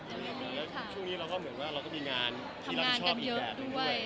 ช่วงนี้เราก็เหมือนว่าเราก็มีงานที่เราชอบอีกด้วย